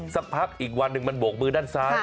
สักพักอีกวันหนึ่งมันโบกมือด้านซ้าย